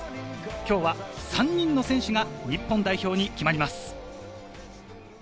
今日は３人の選手が日本代表に決まります。